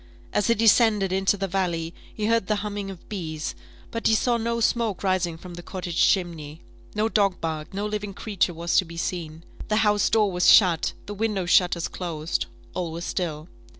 As he descended into the valley, he heard the humming of bees, but he saw no smoke rising from the cottage chimney no dog barked no living creature was to be seen the house door was shut the window shutters closed all was still.